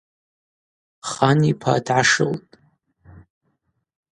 Хан йпа дгӏашылтӏ.